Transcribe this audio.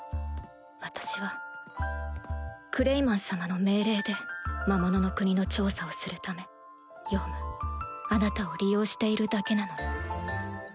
私はクレイマン様の命令で魔物の国の調査をするためヨウムあなたを利用しているだけなのに